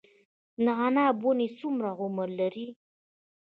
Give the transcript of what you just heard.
د عناب ونې څومره عمر لري؟